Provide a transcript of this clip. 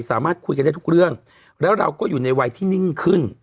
สามารถคุยกันได้ทุกเรื่องแล้วเราก็อยู่ในวัยที่นิ่งขึ้น